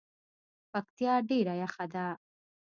پکتیا ډیره یخه ده